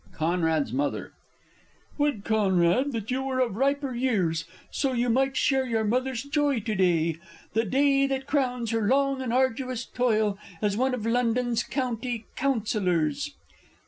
_ Conrad's M. Would, Conrad, that you were of riper years, So you might share your Mother's joy to day, The day that crowns her long and arduous toil As one of London's County Councillors!